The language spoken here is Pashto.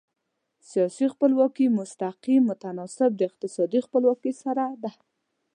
سیاسي خپلواکي مستقیم متناسب د اقتصادي خپلواکي سره ده.